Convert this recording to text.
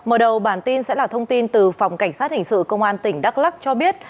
mở đầu bản tin sẽ là thông tin từ phòng cảnh sát hình sự công an tỉnh đắk lắc cho biết